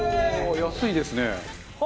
安いですね。